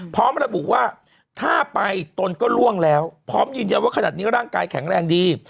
พร้อมระบุว่าถ้าไปตนก็ล่วงแล้วพร้อมยืนยันว่าขนาดนี้ร่างกายแข็งแรงดี